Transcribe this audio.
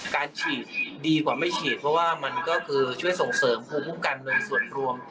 การฉีดดีกว่าไม่ฉีดเพราะว่ามันก็คือช่วยส่งเสริมภูมิคุ้มกันเงินส่วนรวม